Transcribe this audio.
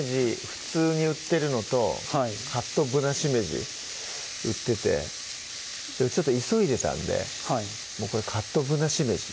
普通に売ってるのとカットぶなしめじ売っててちょっと急いでたんでもうこれカットぶなしめじ